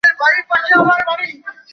ওর নাম কী?